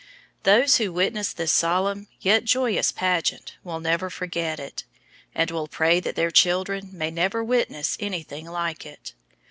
Those who witnessed this solemn yet joyous pageant will never forget it, and will pray that their children may never witness anything like it.